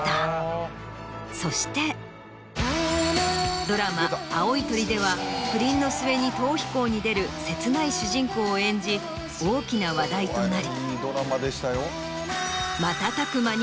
そしてドラマ『青い鳥』では不倫の末に逃避行に出る切ない主人公を演じ大きな話題となり。